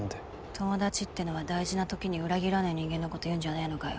友達ってのは大事なときに裏切らねぇ人間のこと言うんじゃねぇのかよ。